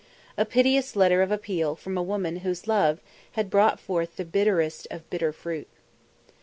A piteous letter of appeal from a woman whose love had brought forth the bitterest of bitter fruit.